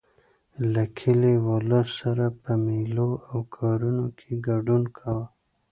له کلي ولس سره په مېلو او کارونو کې ګډون کاوه.